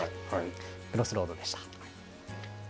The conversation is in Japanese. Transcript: Ｃｒｏｓｓｒｏａｄでした。